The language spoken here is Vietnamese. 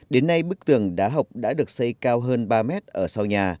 đến nay bức tường đá học đã được xây cao hơn ba mét ở sau nhà